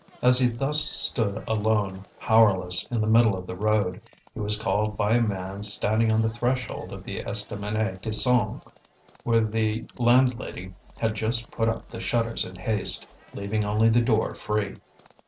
As he thus stood alone, powerless, in the middle of the road, he was called by a man standing on the threshold of the Estaminet Tison, where the landlady had just put up the shutters in haste, leaving only the door free.